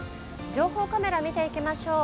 情報カメラ、見ていきましょう。